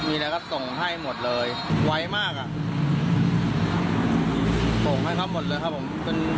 มีอะไรก็ส่งให้หมดเลยไวมากอ่ะส่งให้เขาหมดเลยครับผมเป็น